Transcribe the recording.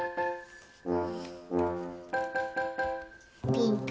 ピンク。